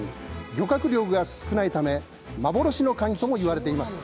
漁獲量が少ないため幻のカニともいわれています。